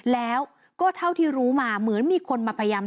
แล้วก็เท่าที่รู้มาเหมือนมีคนมาพยายาม